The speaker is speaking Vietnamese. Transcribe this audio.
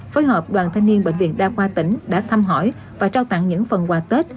phối hợp đoàn thanh niên bệnh viện đa khoa tỉnh đã thăm hỏi và trao tặng những phần quà tết